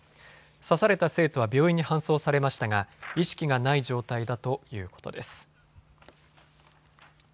刺された生徒は病院に搬送されましたが意識がない状態だということです。